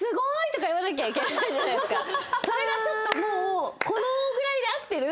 それがちょっともうこのぐらいで合ってる？